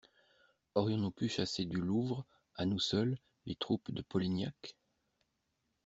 Aurions-nous pu chasser du Louvre, à nous seuls, les troupes de Polignac?